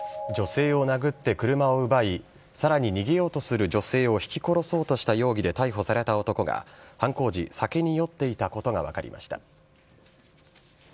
女性を殴って車を奪いさらに逃げようとする女性をひき殺そうとした容疑で逮捕された男が犯行時、酒に酔っていたことが分かりました。